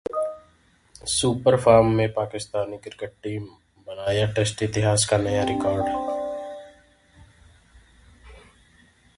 super form में Pakistani cricket team, बनाया test इतिहास का नया रिकॉर्ड